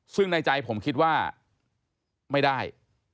ซึ่งในใจผมคิดว่าไม่ได้